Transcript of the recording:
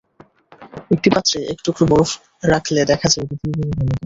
একটি পাত্রে এক টুকরো বরফ রাখলে দেখা যায়, এটি ধীরে ধীরে গলে যায়।